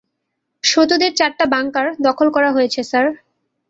শত্রুদের চারটা বাঙ্কার দখল করা হয়েছে, স্যার।